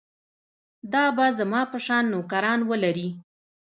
دا به زما په شان نوکران ولري.